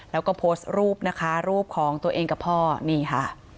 แล้วก็โพสต์รูปนะคะรูปของตัวเองกับพ่อนี่ค่ะ